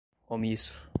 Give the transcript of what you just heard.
omisso